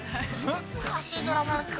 ◆難しいドラマ。